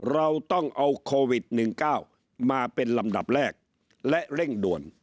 เราต้องเอาโควิด๑๙มาเป็นลำดับแรกและเร่งด่วน